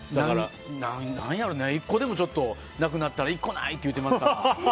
１個でもなくなったら１個ない！って言っていますから。